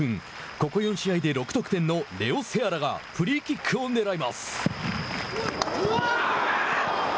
ここ４試合で６得点のレオ・セアラがフリーキックをねらいます。